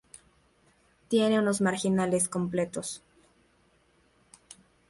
Tiene unos marginales completos.